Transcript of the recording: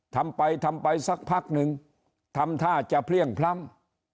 ทำไปทำไปสักพักนึงทำท่าจะเพลี่ยงพล้ำ